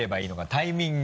タイミング。